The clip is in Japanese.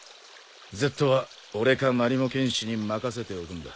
Ｚは俺かマリモ剣士に任せておくんだ。